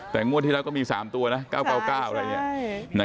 แต่งมวดที่แล้วก็มีสามตัวนะเก้าเก้าเก้าอะไรอย่างเงี้ยใช่ใช่